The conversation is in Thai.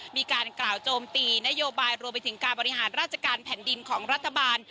มีการกล่าวโจมตีนโยบายรวมไปถึงการบริหารราชการแผ่นดินของรัฐบาล